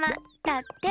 だって！